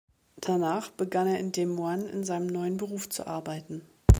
Danach begann er in Des Moines in seinem neuen Beruf zu arbeiten.